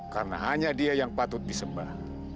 karena hanya dia yang patut disembah